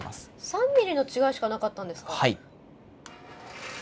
３ミリの違いしかなかったんですか。